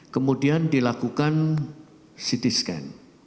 kemudian dilakukan ct scan